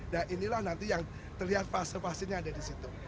nah inilah nanti yang terlihat fase fasenya ada di situ